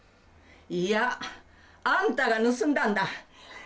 いやあんたが盗んだんだ。